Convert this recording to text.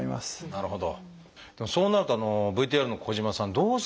なるほど。